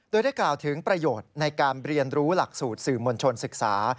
โดยได้กล่าวถึงประโยชน์ในการเรียนรู้หลักสูตรสื่อมวลชนศึกษา